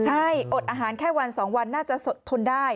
ใช่อดอาหารแค่วัน๒วันน่าจะสดทนได้